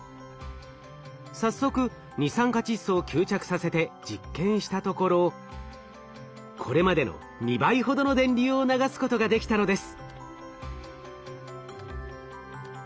早速二酸化窒素を吸着させて実験したところこれまでの２倍ほどの電流を流すことができたのです。